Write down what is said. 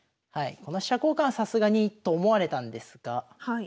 この飛車交換はさすがにと思われたんですが。